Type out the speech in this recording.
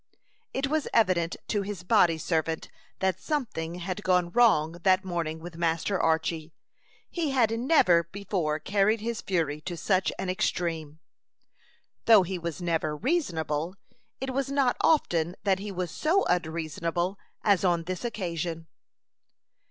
It was evident to his body servant that something had gone wrong that morning with Master Archy. He had never before carried his fury to such an extreme. Though he was never reasonable, it was not often that he was so unreasonable as on this occasion.